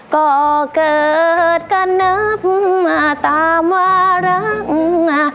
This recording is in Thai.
ก็เกิดกระเนิบตามว่ารัง